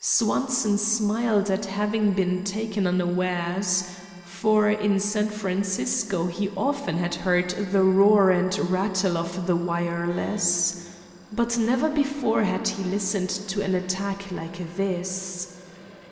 Swanson smiled at having been taken unawares. For in San Francisco he often had heard the roar and rattle of the wireless. But never before had he listened to an attack like this.